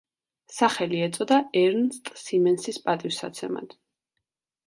სახელი ეწოდა ერნსტ სიმენსის პატივსაცემად.